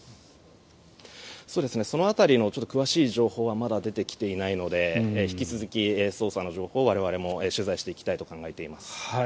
その辺りの詳しい情報はまだ出てきていないので引き続き、捜査の情報を我々も取材していきたいと考えています。